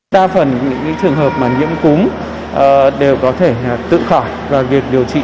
đa phần những trường hợp mà nhiễm cúm đều có thể tự khỏi và việc điều trị